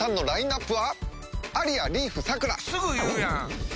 すぐ言うやん！